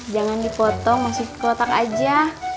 jangan dipotong masih kotak aja